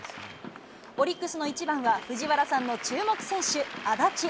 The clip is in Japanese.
オリックスの１番は藤原さんの注目選手、安達。